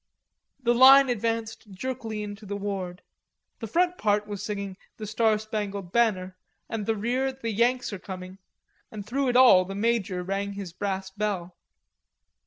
The line advanced jerkily into the ward; the front part was singing "The Star Spangled Banner," and the rear the "Yanks are Coming," and through it all the major rang his brass bell.